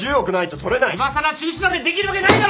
いまさら中止なんてできるわけないだろ！